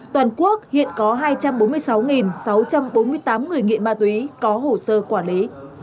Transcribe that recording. toàn quốc hiện có hai trăm bốn mươi sáu sáu trăm bốn mươi tám người nghiện ma túy có hồ sơ quản lý